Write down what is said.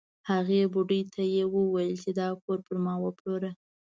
هغې بوډۍ ته یې وویل چې دا کور پر ما وپلوره.